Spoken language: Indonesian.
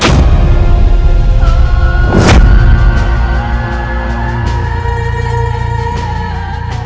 yunda tidak jangan lakukan itu